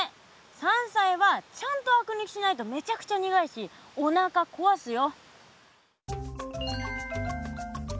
山菜はちゃんとあく抜きしないとめちゃくちゃ苦いしおなかこわすよ。